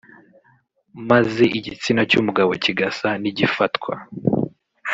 maze igitsina cy’umugabo kigasa n’igifatwa